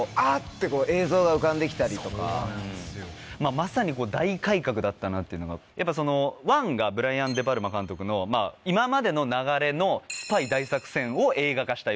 まさに大改革だったなっていうのが『１』がブライアン・デ・パルマ監督の今までの流れの『スパイ大作戦』を映画化したような。